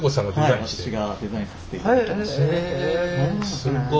すごい。